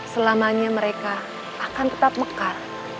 selamanya mereka akan tetap mekar